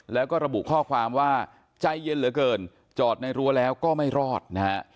แล้วก็ระบุข้อความว่าใจเย็นเหลือเกินจอดในรั้วแล้วก็ไม่รอดนะฮะ